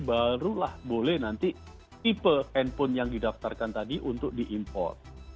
barulah boleh nanti tipe handphone yang didaftarkan tadi untuk diimport